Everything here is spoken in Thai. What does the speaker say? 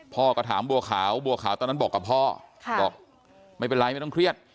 พ่อก็ถามบัวขาวบัวขาวตอนนั้นบอกกับพ่อบอกไม่เป็นไรไม่ต้องเครียด